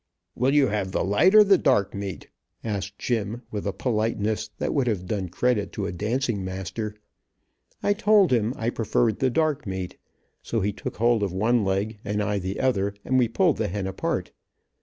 "Will you have the light or the dark meat," asked Jim, with a politeness that would have done credit to a dancing master. I told, him I preferred the dark meat, so he took hold of one leg and I the other, and we pulled the hen apart.